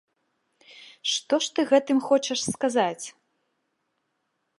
Што ж ты гэтым хочаш сказаць?